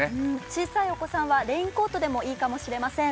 小さいお子さんはレインコートでもいいかもしれません。